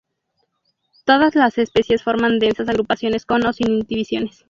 Todas las especies forman densas agrupaciones con o sin divisiones.